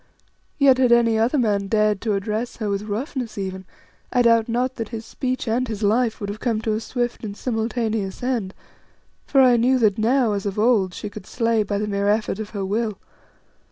Yet had any other man dared to address her with roughness even, I doubt not that his speech and his life would have come to a swift and simultaneous end, for I knew that now, as of old, she could slay by the mere effort of her will.